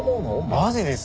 マジです。